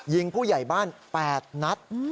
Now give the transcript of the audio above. ยิงผู้ใหญ่บ้าน๘นัด